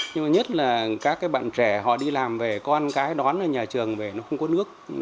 nhưng mà nhất là các cái bạn trẻ họ đi làm về con cái đón ở nhà trường về nó không có nước